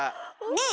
ねえ？